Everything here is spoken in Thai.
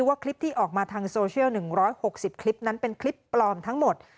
ว่าคลิปที่ออกมาทางโซเชียลหนึ่งร้อยหกสิบคลิปนั้นเป็นคลิปปลอมทั้งหมด